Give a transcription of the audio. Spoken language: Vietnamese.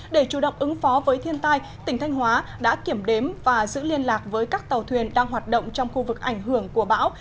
để chủ động ứng phó với thiên tai tỉnh thanh hóa đã kiểm đếm và giữ liên lạc với các tàu thuyền đang hoạt động trong khu vực ảnh hưởng của bão